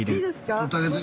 撮ってあげて。